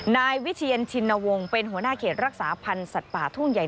นายวิเชียนชินวงศ์เป็นหัวหน้าเขตรักษาพันธ์สัตว์ป่าทุ่งใหญ่